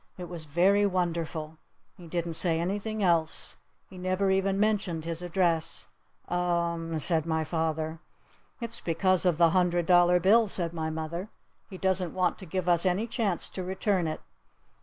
"It was very wonderful." He didn't say anything else. He never even mentioned his address. "U m m," said my father. "It's because of the hundred dollar bill," said my mother. "He doesn't want to give us any chance to return it."